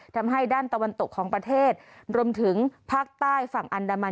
ทำให้ด้านตะวันตกของประเทศรวมถึงภาคใต้ฝั่งอันดามัน